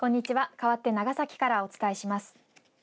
かわって長崎からお伝えします。